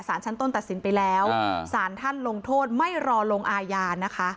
ชั้นต้นตัดสินไปแล้วสารท่านลงโทษไม่รอลงอาญานะคะ